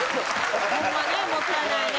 ホンマねもったいないね。